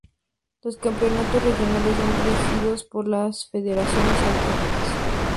Los campeonatos regionales son regidos por la federaciones autonómicas.